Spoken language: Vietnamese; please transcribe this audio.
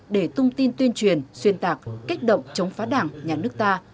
để tung tin tuyên truyền xuyên tạc kích động chống phá đảng nhà nước ta